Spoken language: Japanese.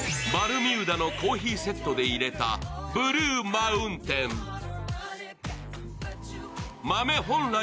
バルミューダのコーヒーセットで入れたブルーマウンテン。